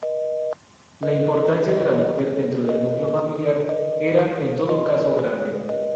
La importancia de la mujer dentro del núcleo familiar era, en todo caso, grande.